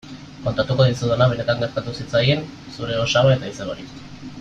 Kontatuko dizudana benetan gertatu zitzaien zure osaba eta izebari.